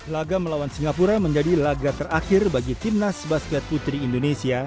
laga melawan singapura menjadi laga terakhir bagi timnas basket putri indonesia